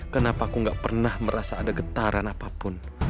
kenapa aku gak pernah merasa ada getaran apapun